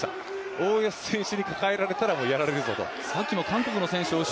大吉選手に抱えられたらもう、やられるぞと。